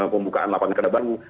pembukaan lapangan kedai baru